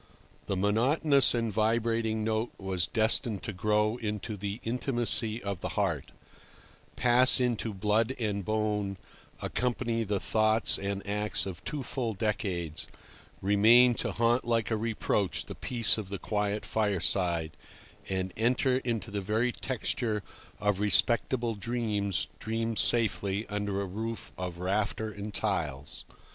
The monotonous and vibrating note was destined to grow into the intimacy of the heart, pass into blood and bone, accompany the thoughts and acts of two full decades, remain to haunt like a reproach the peace of the quiet fireside, and enter into the very texture of respectable dreams dreamed safely under a roof of rafters and tiles.